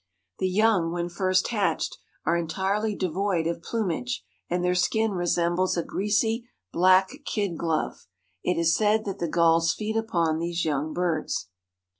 The young, when first hatched, are entirely devoid of plumage and their skin resembles a "greasy, black kid glove." It is said that the gulls feed upon these young birds.